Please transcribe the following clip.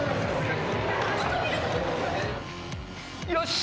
よし！